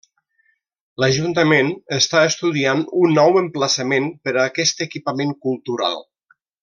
L'Ajuntament està estudiant un nou emplaçament per a aquest equipament cultural.